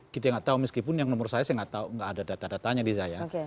kita nggak tahu meskipun yang nomor saya saya nggak tahu nggak ada data datanya di saya